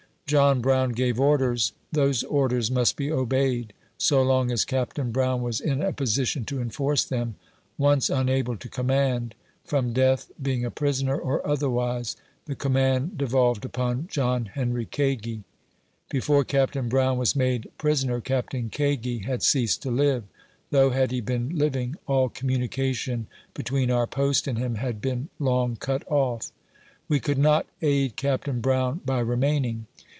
John Brown gave orders ; those orders must be obeyed, so long as Captain Brown was in a po sition to enforce them ; once unable to command, from death, A PRISONER TAKEN. 4V being a prisoner, or otherwise, the command devolved upon John Henry Kagi. Before Captain Brown was made prison er, Captain Kagi had ceased to live, though had he been liv ing, all communication between our post and him had been long cut off. "We could not aid Captain Brown by remain ing.